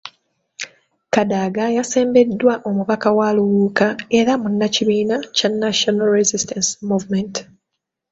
Kadaga yasembeddwa omubaka wa Luuka era munnakibiina kya National Resistance Movement.